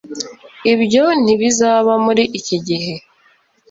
Ibyo ntibizaba muri iki gihe